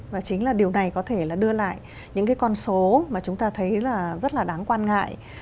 và chính là điều này có thể đưa lại những con số mà chúng ta thấy rất là đáng quan ngại